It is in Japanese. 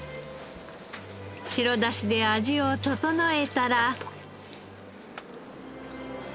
白だしで味を調えたら。